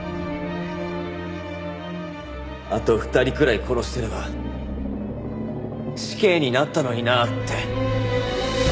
あと２人くらい殺してれば死刑になったのになって。